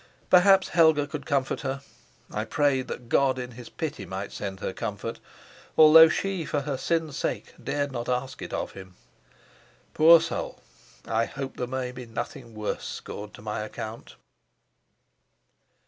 Perhaps Helga could comfort her; I prayed that God in His pity might send her comfort, although she for her sin's sake dared not ask it of Him. Poor soul! I hope there may be nothing worse scored to my account.